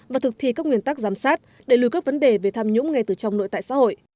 và thực thi các nguyên tắc giám sát để lùi các vấn đề về tham nhũng ngay từ trong nội tại xã hội